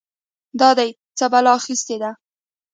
دا دې څه بلا اخيستې ده؟!